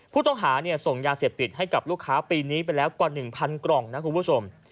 ผู้ต้องหาส่งยาเสพติดให้กับลูกค้าปีนี้ไปแล้วกว่า๑๐๐กล่องนะคุณผู้ชม